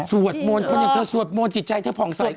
สวดโมนเพราะฉะนั้นเธอสวดโมนจิตใจเธอผ่องใสขึ้นไหม